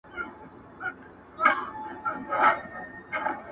اووم دوږخ دي ځای د کرونا سي!!..